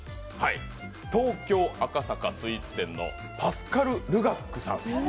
東京・赤坂スイーツ店のパスカル・ル・ガックさん。